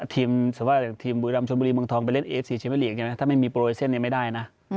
ทีมสาวะแห่งทีมบุรีรำชนบุรีมังทองไปเล่นเอส๔เฉพาะหลีกถ้าไม่มีโปรไลเซ็นต์เนี่ยไม่ได้นะ